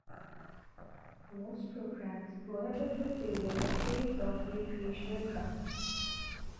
Most programs prohibit the sale or purchase of recreational drugs.